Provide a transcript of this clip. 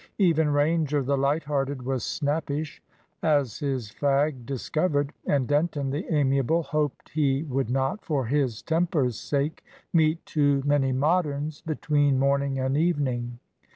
Even Ranger, the lighthearted, was snappish, as his fag discovered; and Denton, the amiable, hoped he would not, for his temper's sake, meet too many Moderns between morning and evening.